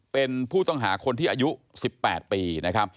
เป็นผู้ต้องหาคนที่อายุ๑๘ปีนะครับ